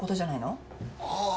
ああ。